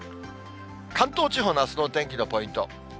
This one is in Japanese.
関東地方のあすのお天気のポイント。